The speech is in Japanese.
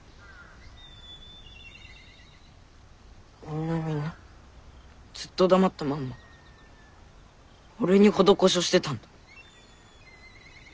みんなみんなずっと黙ったまんま俺に施しをしてたんだ。